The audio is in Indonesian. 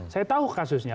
saya tahu kasusnya